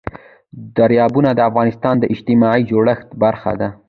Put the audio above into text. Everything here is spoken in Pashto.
دریابونه د افغانستان د اجتماعي جوړښت برخه ده.